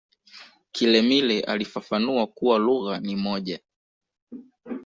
kilemile alifafanua kuwa lugha ni moja